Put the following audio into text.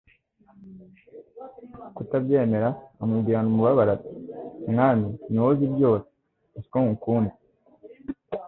kutabyemera, amubwirana umubabaro ati : "Mwami ni wowe uzi byose, uzi ko ngukunda.